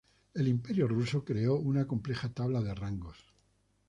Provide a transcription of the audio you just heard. El Imperio ruso creó una compleja tabla de rangos.